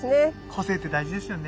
個性って大事ですよね。